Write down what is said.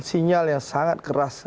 sinyal yang sangat keras